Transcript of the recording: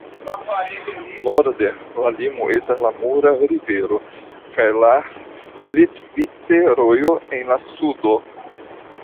Norde, la limo estas la Mura Rivero kaj la Plitvice-Rojo en la sudo.